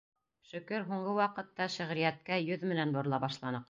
Шөкөр, һуңғы ваҡытта шиғриәткә йөҙ менән борола башланыҡ.